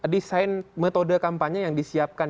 desain metode kampanye yang disiapkan